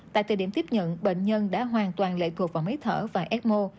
tại thời điểm tiếp nhận bệnh nhân đã hoàn toàn lệ thuộc vào máy thở và ecmo